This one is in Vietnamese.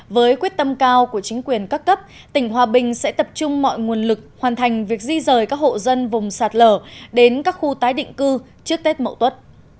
với quyết tâm cao của chính quyền các cấp tỉnh hòa bình sẽ tập trung mọi nguồn lực hoàn thành việc di rời các hộ dân vùng sạt lở đến các khu tái định cư trước tết mậu tuất